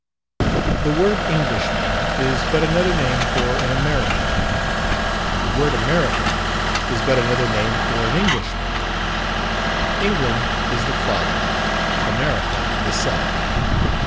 _ The word Englishman is but another name for an American, and the word American is but another name for an Englishman England is the father, America the son.